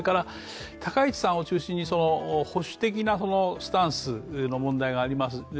高市さんを中心に保守的なスタンスの問題があります。